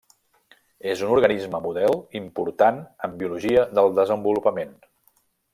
És un organisme model important en biologia del desenvolupament.